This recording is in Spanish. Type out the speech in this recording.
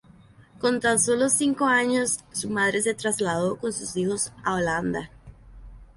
Con tan solo cinco años, su madre se trasladó con sus hijos a Holanda.